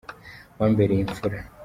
Wambereye imfura